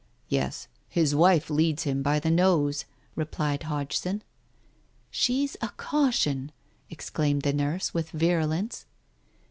"Yes. His wife leads him by the nose," replied Hodgson. "She's a caution!" exclaimed the nurse, with virulence.